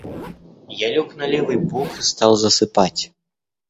Я лег на левый бок и стал засыпать.